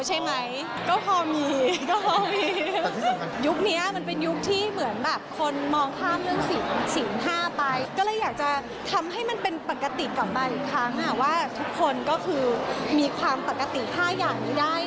ว่าทุกคนก็คือมีความปกติ๕อย่างนี้ได้นะ